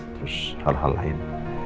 terus hal hal lain